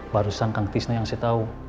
baru sangkang tisna yang saya tahu